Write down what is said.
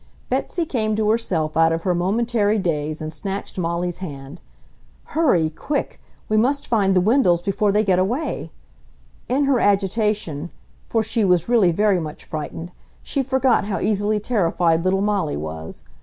Betsy came to herself out of her momentary daze and snatched Molly's hand. "Hurry! quick! We must find the Wendells before they get away!" In her agitation (for she was really very much frightened) she forgot how easily terrified little Molly was.